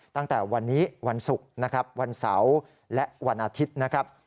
ตั้งแต่วันนี้วันศุกร์นะครับวันเสาร์และวันอาทิตย์นะครับ